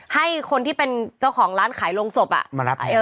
ให้คนที่เป็นเจ้าของร้านขายโรงศพมารับ